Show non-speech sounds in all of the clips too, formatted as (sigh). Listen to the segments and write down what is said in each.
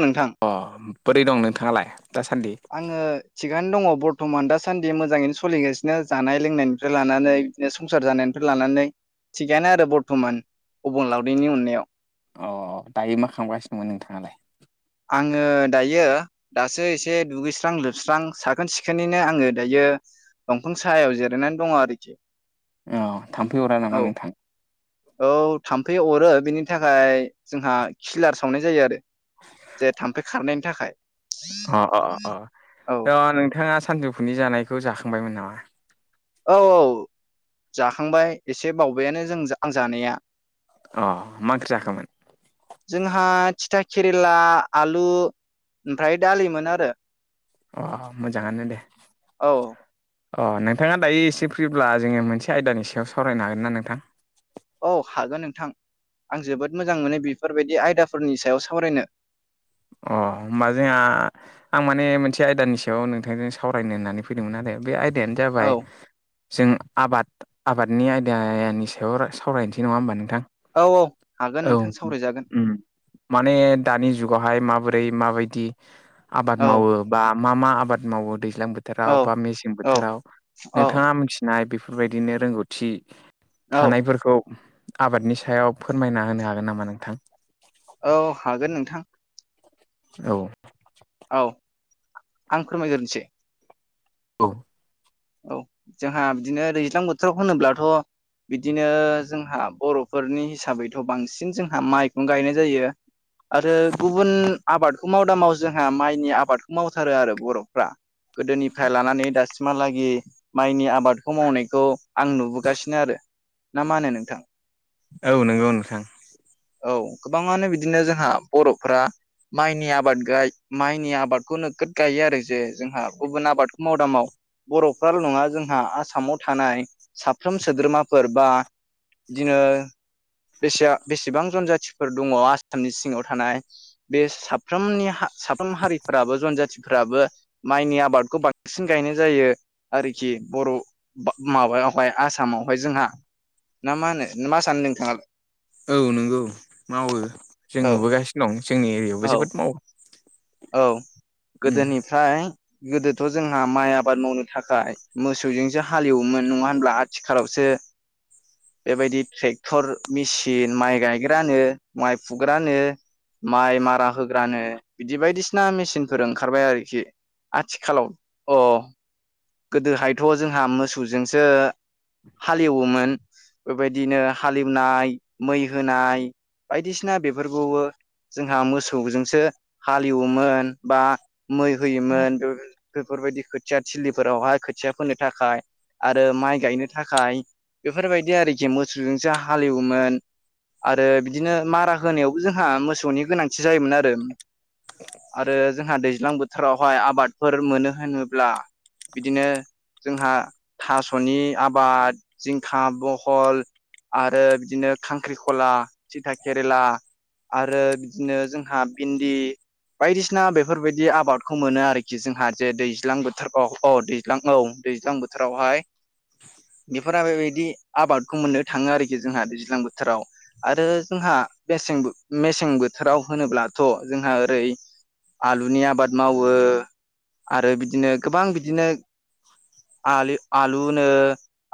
नोंथां अ बोरै दं नोंथाङालाय दासान्दि? आङो थिगानो दङ बर्थमान दासान्दि मोजाङैनो सोलिगासिनो जानाय लोंनायनिफ्राय लानानै बिदिनो संसार जानायनिफ्राय लानानै थिगानो आरो बर्थ'मान अबंलावरिनि अननायाव। अ दायो मा खालामगासिनो दंमोन नोंथाङालाय? आङो दायो दासो एसे दुगैस्रां लोबस्रां साखोन सिखोनैनो आङो दायो दंफां साहायाव जिरायनानै दङ आरोखि। अ थामफै अरा औ नामा नोंथां? औ थाम्फै अरो बेनि थाखाय जोंहा खिलार सावनाय जायो आरो। जे थाम्फै खारनायनि थाखाय अ अ अ औ थ' नोंथाङा सानजौ फुनि जानायखौ जाखांबायमोन नामा? औ औ जाखांबाय एसे बावबायानो जों आं जानाया अ मा आंख्रि जाखोमोन ओमफ्राय-? जोंहा थिथा केेरेला आलु ओमफ्राय दालिमोन आरो। अ मोजाङानो दे औ अ नोंथाङा दायो एसे फ्रिब्ला जोङो मोनसे आयदानि सायाव सावरायनो हागोन ना नोंथां? औ हागोन नोंथां आं जोबोद मोजां मोनो बेफोरबायदि आयदाफोरनि सायाव सावरायनो अ होनोमबा जोंहा आं माने मोनसे आयदानि सायाव नोंथांजों सावरायनो होननानै फैदोंमोन आरो बे आयदायानो औ जाबाय जों आबाद आबादनि आयदानि सायाव सावरायनोसै नङा होमबा नोंथां औ औ हागोन औ नोंथां सावरायजागोन उम माने दानि जुगावहाय माबोरै माबायदि आबाद औ मावो। बा मा मा आबाद मावो दैज्लां औ बोथोराव बा मेसें औ बोथोराव औ नोंथाङा मिथि नाय बेफोरबायदिनो रोंगौथि औ थानायफोरखौ आबादनि सायाव फोरमायना होनो हागोन नामा नोंथां? औ हागोन नोंथां औ औ आं फोरमायग्रोनोसै। औ औ जोंहा बिदिनो दैज्लां बोथोराव होनोब्लाथ' बिदिनो जोंहा बर'फोरनि हिसाबैथ' बांसिन जोंहा माइखौनो गायनाय जायो। आरो गुबुन आबाद माव दामाव जोंहा माइनि आबादखौ मावथारो आरो बर'फ्रा गोदोनिफ्राय लानानै दासिमहालागै माइनि आबादखौ मावनायखौ आं नुबोगासिनो आरो ना मा होनो नोंथां? औ नंगौ नोंथां औ गोबाङानो बिदिनो जोंहा बर'फ्रा माइनि आबाद ग माइनि आबादखौ नोगोद गायो आरो जे जोंहा गुबुन आबादखौ मावदां माव बर'फ्राल' नङा जोंहा आसामाव थानाय साफ्रोम सोद्रोमाफोर बा बिदिनो बेसे बेसेबां गुबुन जाथिफोर दङ आसामनि सिङाव थानाय बे साफ्रोमनि साफ्रोम हारिफोराबो जनजाथिफोराबो माइनि आबादखौ बांसिन गायनाय जायो आरोखि बर'। माबायावहाय आसामावहाय जोंहा ना मा होनो मा आसाम नोंथाङालाय औ नंगौ मावो जों औ नुबोगासिनो दं जोंनि एरियायावबो औ जोबोद मावो। औ उम गोदोनिफ्राय गोदोथ' जोंहा माइ आबाद मावनो थाखाय मोसौजोंसो हालेवोमोन नङा होनब्ला आथिखालावसो (inaudible) बेबायदि ट्रेक्टर मेसिन माइ गायग्रानो, माइ फुग्रानो माइ मारा होग्रानो बिदि बायदिसिना मेसिनफोर ओंखारबाय आरोखि आथिखालाव अ गोदोहायथ' जोंहा मोसौजोंसो हालेवोमोन बेबायदिनो हालेवनाय मै होनाय बायदिसिना बेफोरखौबो जोंहा मोसौजोंसो हालेवोमोन बा मै होयोमोन बेफोरबायदि खोथिया थिलि फोरावहाय खोथिया फोनो थाखाय आरो माइ गायनो थाखाय बेफोरबायदि आरोखि मोसौजोंसो हालेवोमोन। आरो बिदिनो मारा होनायावबो जोंहा मोसौनि गोनांथि जायोमोन आरो आरो जोंहा दैज्लां बोथोरावहाय आबादफोर मोनो होनोब्ला। बिदिनो जोंहा थास'नि आबाद जिंखा, बहल, आरो बिदिनो खांख्रिखला, थिथा केरेला, आरो बिदिनो जोंहा भिन्दि बायदिसिना बेफोरबायदि आबादखौ मोनो आरोखि जोंहा जे दैज्लां बोथोराव। अ' दैज्लां औ दैज्लां बोथोरावहाय बेफोरा बेबायदि आबादखौ मोननो थाङो आरोखि जोंहा दैज्लां बोथोराव। आरो जोंहा मेसें बो मेसें बोथोराव होनोब्लाथ' जोंहा ओरै आलुनि आबाद मावो आरो बिदिनो गोबां बि दिनो आलु आलुनो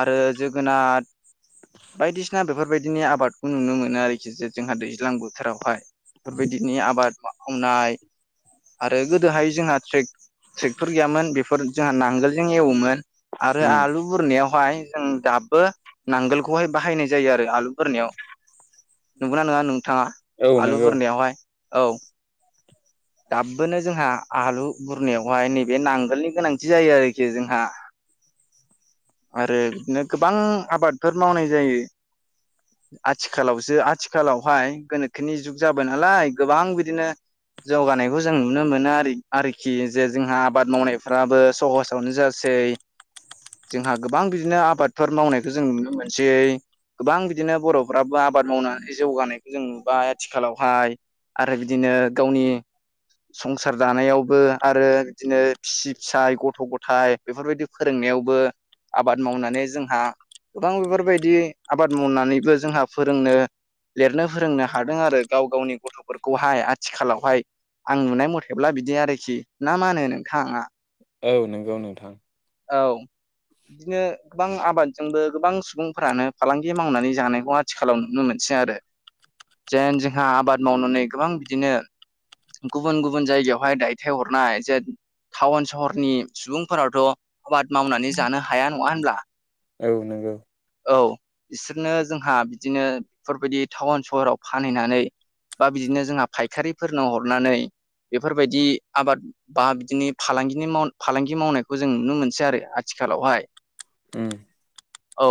आरो जोगोनात बायदिसिना बेफोरबायदिनि आबादखौ नुनो मोनो आरोखि जे जोंहा दैज्लां बोथोरावहाय। फोरबायदिनि आबाद मावनाय। आरो गोदोहाय जोंहा ट्रेक ट्रेकफोर गैयामोन बेफोर जोंहा नांगोलजों एवोमोन आरो उम आलु बुरनायावहाय जों दाबो नांगोलखौहाय बाहायनाय जायो आरो आलु बुरनायाव। नोंगौना नङा नोंथाङा औ आलु नंगौ बुरनायावहाय औ। दाबोनो जोंहा आलु बुरनायावहाय नैबे नांगोलनि गोनां दि जायो आरोखि जोंहा आरो बिदिनो गोबां आबादफोर मावनाय जायो। आथिखालावसो आथिखालावहाय गोनोखोनि जुग जाबाय नालाय गोबां बिदिनो जौगानायखौ जों नुनो मोनो आरो आरोखि जे जोंहा आबाद मावनायफ्राबो सहसावनो जासै। जोंहा गोबां बिदिनो आबादफोर मावनायखौ जों नुनो मोनसै गोबां बिदिनो बर'फ्राबो आबाद मावनानै जौगानायखौ जों नुबाय आथिखालावहाय। आरो बिदिनो गावनि संसार जानायावबो आरो बिदिनो फिसि फिसाय गथ थ' गथाइ बेफोरबायदि फोरोंनायावबो आबाद मावनानै जोंहा गोबां बेफोरबायदि आबाद मावनानैबो जोंहा फोरोंनो लिरनो फोरोंनो हादों आरो गाव गावनि गथ'फोरखौहाय आथिखालावहाय। आं नुनाय मथेब्ला बिदि आरोखि ना मा होनो नोंथाङा? औ नंगौ नोंथां। औ। बिदिनो गोबां आबादजोंबो गोबां सुबुंफोरानो फालांगि मावनानै जानायखौ आ थिखालाव नुनो मोनसै आरो जेन जोंहा आबाद मावनानै गोबां बिदिनो गुबुन गुबुन जायगायावहाय दायथाय हरनाय जे टाउन सहरनि सुबुंफोरावथ' आबाद मावनानै जानो हाया नङा होनब्ला औ नोंगौ। औ बिसोरनो जोंहा बिदिनो बेफोरबायदि टाउन सहराव फानहैनानै बा बिदिनो जोंहा फायखारिफोरनो हरनानै बेफोरबायदि आबाद बा बिदिनि फालांगिनि माव फालांगि मावनायखौ जों नुनो मोनसै आरो आथिखालावहाय। उम। औ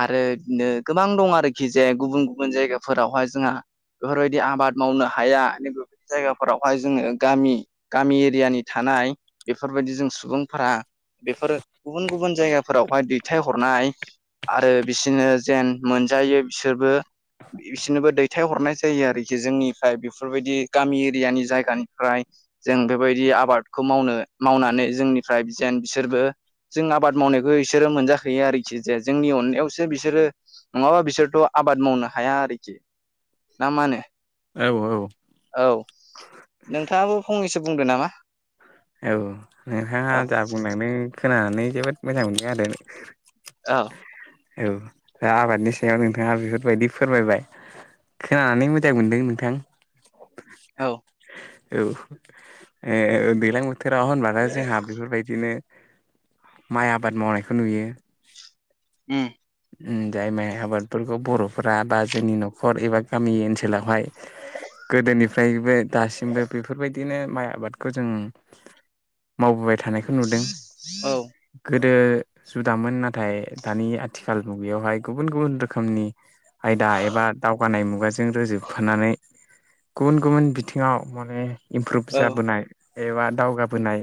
आरो बिदिनो गोबां दं आरोखि जे गुबुन गुबुन जायगाफोरावहाय जोंहा बेफोरबायदि आबाद मावनो हाया बेबायदि जायगाफोरावहाय जोङो गामि गामि एरियानि थानाय बेफोरबायदि जों सुबुंफोरा बेफोरो गुबुन गुबुन जायगाफोरावहाय दैथायहरनाय। आरो बिसोरनो जेन मोनजायो बिसोरबो बिसिनोबो दैथाय हरनाय जायो आरोखि जोंनिफ्राय बेफोरबायदि गामि एरियानि जायगानिफ्राय। जों बेबायदि आबादखौ मावनो मावनानै जोंनिफ्राय जेन बिसोरबो जों आबाद मावनायखौ इसोरो मोनजा हैयो आरोखि। जे जोंनि अननायावसो बिसोरो नङाबा बिसोरथ' आबाद मावनो हाया आरोखि। ना मानो औ औ। औ नोंथाङाबो फंनैसो बुंदो नामा? औ नोंथांङा औ जा बुंलांनो खोनानानै जोबोद मोजां मोनदों आरो। औव औ दा आबादनि सायाव नोंथांङा बेफोरबायदि फोरमायबाय खोनानानै मोजां मोनदों नोंथां। औव औ ओ दैलां बो बोथोराव होनबानोथाय जोंहा बेफोरबायदिनो माइ आबाद मावनायखौ नुयो। (unintelligible) जाय माइ आबादफोरखौ बर'फोरा बा जोंनि न'खर एबा गामि ओनसोलावहाय। गोदोनिफ्रायबो दासिमबो बेफोरबायदिनो माइ आबादखौ जों मावबोबाय थानायखौ नुदों। औ गोदो जुदामोन नाथाय दानि आथिखाल मुगायावहाय गुबुन गुबुन रोखोमनि आयदा एबा दावगानाय मुगाजों रोजोबफानानै। गुबुन गुबुन बिथिंङाव माने इमप्रुभ औ जाबोनाय एबा दावगाबोनाय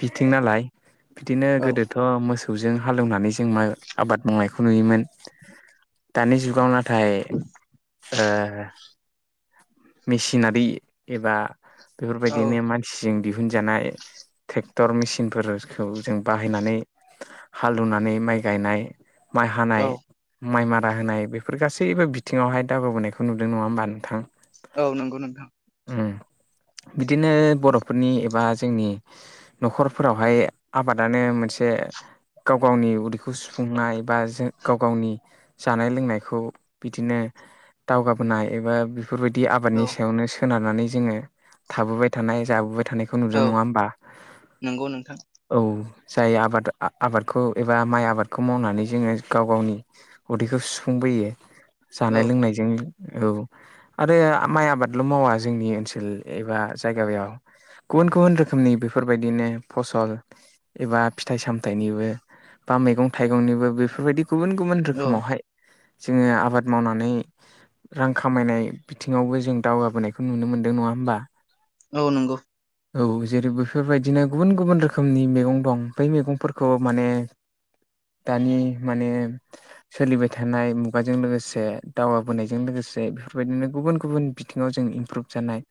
बिथिं नालाय बिदिनो औ गोदोथ' मोसौव मोसौजों हालेवनानै जों मा आबाद मावनायखौ नुयोमोन दानि जुगावना थाय मेसिनारि एबा औ बेफोरबायदिनो मानसि इसिं दिहुनजानाय ट्रेक्टर मेसििनफोरखौ जों बाहायनानै हालदुनानै माइ गायनाय माइ औ हानाय माइ मारा होनाय बेफोर गासैबो बिथिङावहाय दावगाबोनायखौ नुदों नंङा होमबा नोंथां औ नंगौ नोंथां। ओम बिदिनो बर'फोरनि एबा जोंनि न'खरफोरावहाय आबादानो मोनसे गाव गावनि उदैखौ सुफुंनाय बा जों गाव गावनि जानाय लोंनायखौ बिदिनो दावगाबोनाय एबा बेफोरबायदि आबादनि औ सायावनो सोनारनानै जोंङो थाबोबाय थानाय जाबोबाय थानाय। खौ नुदों औ नंङा होमबा नंगौ नोंथां औ जाय आबाद आबादखौ एबा माइ आबादखौ मावनानै जोंङो गाव गावनि उदैखौ सुफुंबोयो औ जानाय लोंनाय बे औ आरो माइ आबादल' मावा जोंनि ओनसोल एबा जायगायाव। गुबुन गुबुन रोखोमनि बेफोरबायदिनो फसल एबा फिथाइ सामथाइनिबो बा मैगं थाइगंनिबो बेफोरबायदि गुबुन गुबुन औ रोखोमावहाय जोंङो आबाद मावनानै रां खामायनाय बिथिंङावबो जों दावगाबोनायखौ नुनो मोन्दों नंङा होमबा। औ नंगौ। औ जेरै बेफोरबायदिनो गुबुन गुबुन रोखोमनि मैगं दं बै मैगंफोरखौ माने। दानि माने। सोलिबाय थानाय मुगाजों लोगोसे दावगाबोनायजों लोगोसे बेफोरबायदिनो गुबुन गुबुन। जों इमप्रु जआनाय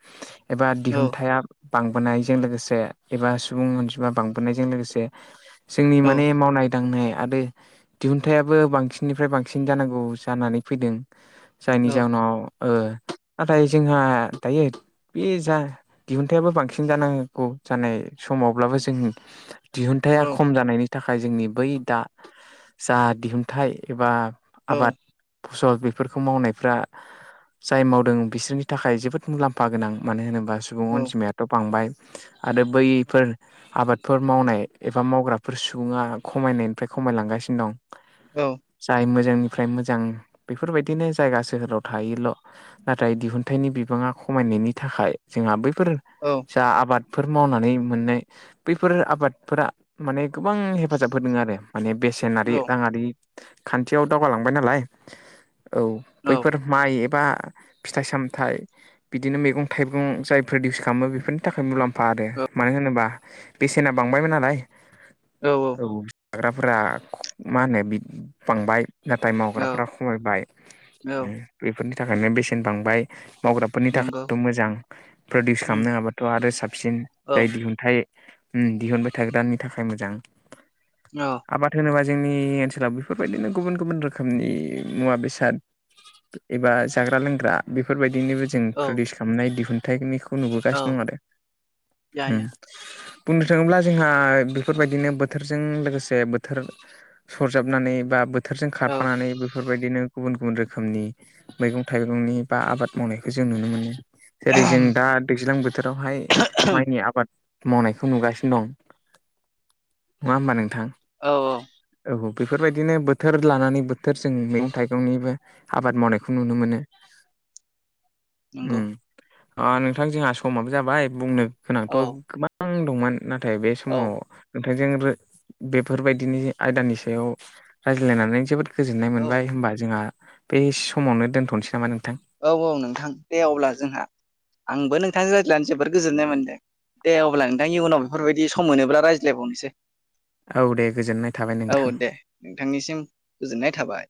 एबा औ दिहुन हाया बांबोनायजों लोगोसे एबा सुबुं अनजिमा बांबोनायजों लोगोसे जोंनि औ माने मावनाय दांनाय आरो दिहुनथायाइबो बांसिननिफ्राय बांसिन जानांगौ जानानै फैदों। जायनि औ जाहोनाव ओ नाथाय जोंहा दायो बे जा दिहुनथाइबो बांसिन जानांगौ जानाय समावब्लाबो जों दिहुनथाइ औ खम जानायनि नि थाखाय जोंनि बै दा जा दिहुनथाइ एबा औ आबाद फसल बेफोरखौ मावनायफ्रा जाय मावदों बिसोरनि थाखाय जोबोद मुलाम्फा गोनां मानो होनोबा सुबुं औ अनजिमायाथ' बांबाय आरो बैफोर आबादफोर मावनाय एबा मावग्राफोर सुबुङा खमायनायनिफ्राय खमायलांगासिनो दं। औ जाय मोजांनिफ्राय मोजां बेफोरबायदिनो जायगा सोहोराव थाहैयोल'। नाथाय दिहुनथाइनि बिबाङा खमायनायनि थाखाय जोंहा बैफोरो औ। जा आबादफोर मावनानै मोननाय बैफोर आबादफोरा माने गोबां हेफाजाब होदों आरो माने बेसे औ सेनारि राङारि खान्थियाव दावगालांबाय नालाय औ बैफोर माइ एबा फिथाइ सामथाइ बिदिनो मैगं थाइगं' जाय फ्रदिउस खालामो बेफोरनि थाखाय मुलाम्फा आरो मानो होनोबा बेसेना बांबायमोन नालाय औ औ। औ जाग्राफोरा मा होनो बि बांबाय। नाथाय औ मावग्राफ्रा खमायबाय औ ओम बेफोरनि थाखायनो बेसेन बांबाय। मावग्राफोरनि नंगौ थाखायथ' मोजां प्रदिउस उम खालामनो हाबाथ' आरो साबसिन औ दा इदि दिहुनथाइ ओम दिहुनबाय थाग्रानि थाखाय मोजां। औ। आबाद होनोबा जोंनि ओनसोलाव बेफोरबायदिनो गुबुन गुबुन रोखोमनि मुवा बेसाद एबा जाग्रा लोंग्रा बेफोरबायदिनिबो जों औ प्रडिउस खालामनाय दिहुनथाइनिखौ नुबोगासिनो औ दं आरो। या या बुंनो थाङोब्ला जोंहा बेफोरबायदिनो बोथोरजों लोगोसे बोथोर सरजाबनानै बा बोथोरजों औ खारफानानै बेफोरबायदिनो गुबुन गुबुन रोखोमनि मैगं थाइगंनि बा आबाद मावनायखौ जों नुनो मोनो। जेरै जों दा दैज्लां बोथोरावहाय माइनि आबाद मावनायखौ नुगासिनो दं। नङा होमबा नोंथां? औ औ बेफोरबायदिनो बोथोर लानानै बोथोर जों मैगं थाइगंनिबो आबाद मावनायखौ नुनो मोनो। (inaudible) नंगौ ओम ओ नोंथां जोंहा समाबो जाबाय बुंनो गोनांथ' औ गोबां दंमोन। नाथाय बे औ समाव नोंथांजों रो बेफोरबायदिनि आयदानि सायाव रायज्लायनानै जोबोद गोजोननाय मोनबाय होमबा जोंहा बे समावनो दोनथ'नोसै नामा नोंथां? औ औ नोंथां दे अब्ला जोंहा आंबो नोंथांनि रायज्लानो जोबोर गोजोननाय मोनदों। दे अब्ला नोंथांनि उनाव बेफोरबायदि सम मोनोब्ला रायज्लायबावनोसै। औ दे गोजोननाय थाबाय औ नोंथां। दे नोंथांनिसिम गोजोननाय थाबाय।